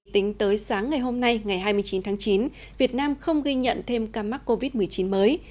tính tới sáng ngày hôm nay ngày hai mươi chín tháng chín việt nam không ghi nhận thêm ca mắc covid một mươi chín mới